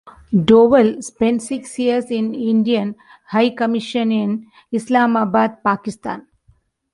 Doval spent six years in Indian High Commission in Islamabad, Pakistan.